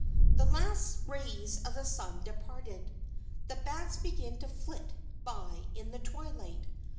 The last rays of the sun departed. The bats began to flit by in the twilight.